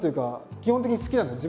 基本的に好きなんですよ。